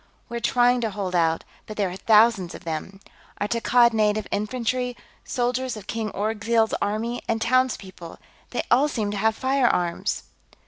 We're trying to hold out, but there are thousands of them. Our Takkad Native Infantry, soldiers of King Orgzild's army, and townspeople. They all seem to have firearms...."